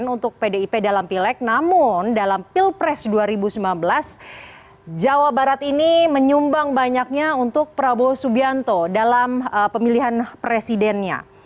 untuk pdip dalam pileg namun dalam pilpres dua ribu sembilan belas jawa barat ini menyumbang banyaknya untuk prabowo subianto dalam pemilihan presidennya